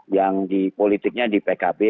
yang di politiknya di pkb